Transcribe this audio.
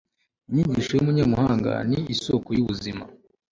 inyigisho y'umunyabuhanga ni isoko y'ubuzima